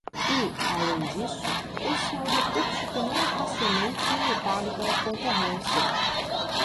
E, além disso, esse é um recurso que não é facilmente imitado pela concorrência.